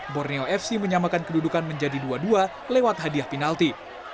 borneo fc menyamakan kedudukan menjadi dua dua lewat hadiah penalti